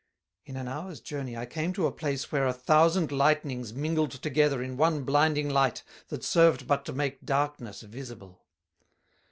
In an hour's journey I came to a place where a thousand Lightnings mingled together in one blinding light that served but to make Darkness visible.